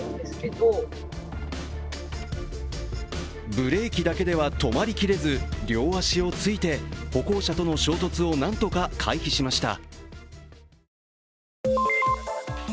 ブレーキだけでは止まりきれず両足をついて歩行者との衝突をなんとか回避しました。